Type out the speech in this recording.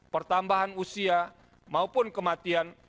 pertambahan usia maupun kematian